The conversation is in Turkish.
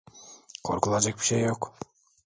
Korkulacak bir şey yok.